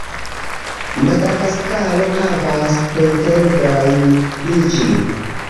Madagaskaro havas pretendojn pri ĝi.